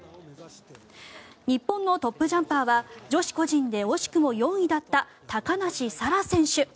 日本のトップバッターは女子個人で惜しくも４位だった高梨沙羅選手。